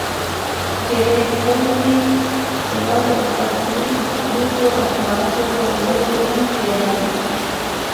ډېرې کلیوې یواځې د څو اهلي بوټو او حیواناتو په روزلو ژوند تېراوه.